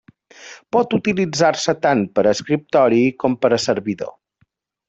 Pot utilitzar-se tant per a escriptori com per a servidor.